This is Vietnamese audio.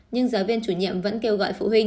nhưng giáo viên chủ nhiệm vẫn kêu gọi phụ huynh